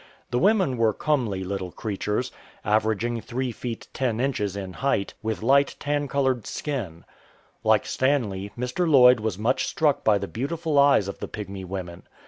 The women were comely little creatures, averaging 3 feet 10 inches in height, with light tan coloured skin. Like Stanley, Mr. Lloyd was much struck by the beautiful eyes of the Pygmy women.